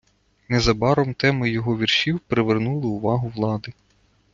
Незабаром теми його віршів привернули увагу влади.